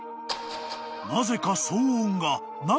［なぜか］